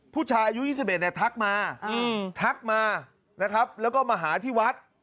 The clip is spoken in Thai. ผู้ชายอายุ๒๑เนี่ยทักมาทักมานะครับแล้วก็มาหาที่วัด